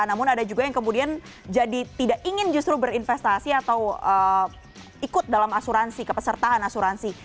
namun ada juga yang kemudian jadi tidak ingin justru berinvestasi atau ikut dalam asuransi kepesertaan asuransi